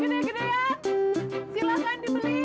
dateng bayang ke sini mereka